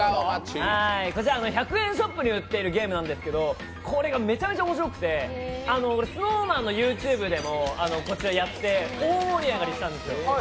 こちら１００円ショップに売ってるゲームなんですけど、これがめちゃめちゃ面白くて、ＳｎｏｗＭａｎのＹｏｕＴｕｂｅでもこちらやって大盛り上がりしたんですよ。